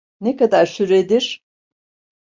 Ne kadar süredir?